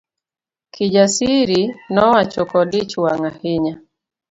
Kijasiri nowacho kod ich wang ahinya.